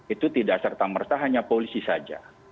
itu tidak serta merta hanya polisi saja